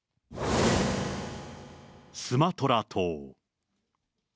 スマトラ島。